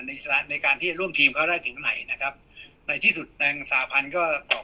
ในการที่จะร่วมทีมเขาได้ถึงไหนนะครับในที่สุดนางสาพันธุ์ก็ตอบ